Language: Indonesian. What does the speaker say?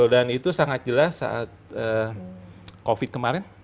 dan itu sangat jelas saat covid kemarin